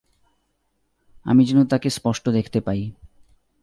আমি যেন তাঁকে স্পষ্ট দেখতে পাই।